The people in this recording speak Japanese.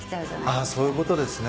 あっそういうことですね。